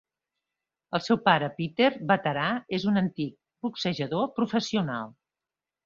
El seu pare Peter, veterà, és un antic boxejador professional.